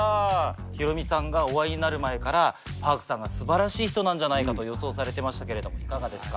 ヒロミさんがお会いになる前からＰａｒｋさんが素晴らしい人なんじゃないかと予想されてましたけれどもいかがですか？